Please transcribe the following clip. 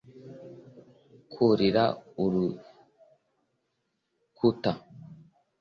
kurira urukuta.